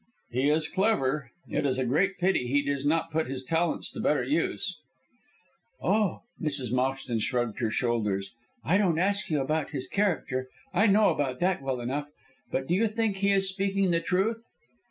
"He is clever. It is a great pity he does not put his talents to better use." "Oh," Mrs. Moxton shrugged her shoulders, "I don't ask you about his character. I know about that well enough. But do you think he is speaking the truth?"